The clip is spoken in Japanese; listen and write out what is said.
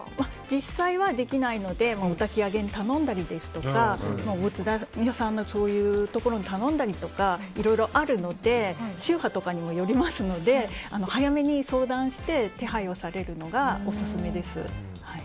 実際はできないのでおたき上げに頼んだりですとかご仏壇屋さんに頼んだりとかいろいろあるので宗派とかにもよりますので早めに相談して手配をされるのがオススメです。